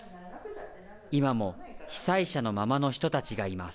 今も被災者のままの人たちがいます